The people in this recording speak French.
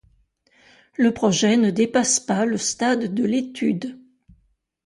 Le projet ne dépasse pas le stade de l'étude.